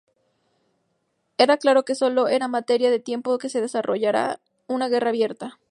Era claro que solo era materia de tiempo que se desarrollara una guerra abierta.